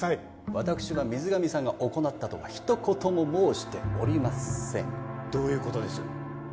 私は水上さんが行ったとはひと言も申しておりませんどういうことです？